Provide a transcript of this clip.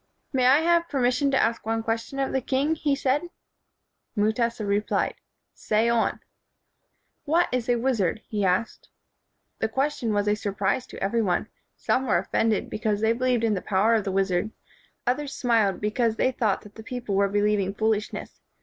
"May I have permission to ask one ques tion of the king?" he said. Mutesa replied, "Say on." "What is a wizard?" he asked. The question was a surprise to every one. Some were offended, because they believed in the power of the wizard; others smiled, be cause they thought that the people were be lieving foolishness.